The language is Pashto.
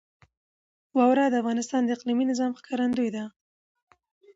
واوره د افغانستان د اقلیمي نظام ښکارندوی ده.